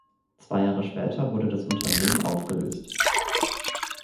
Zwei Jahre später wurde das Unternehmen aufgelöst.